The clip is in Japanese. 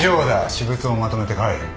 私物をまとめて帰れ。